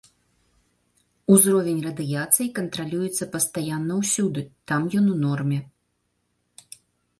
Узровень радыяцыі кантралюецца пастаянна ўсюды, там ён у норме.